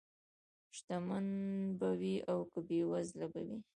شتمن به وي او که بېوزله به وي.